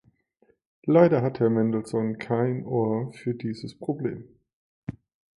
Leider hat Herr Mandelson kein Ohr für dieses Problem.